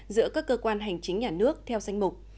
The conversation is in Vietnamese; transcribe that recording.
giữa các cơ quan hành chính nhà nước theo danh mục